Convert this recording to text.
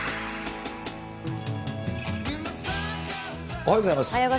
おはようございます。